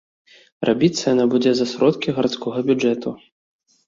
Рабіцца яна будзе за сродкі гарадскога бюджэту.